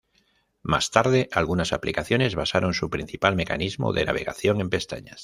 Más tarde, algunas aplicaciones basaron su principal mecanismo de navegación en pestañas.